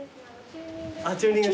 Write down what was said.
チューニング。